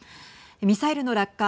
ミサイルの落下。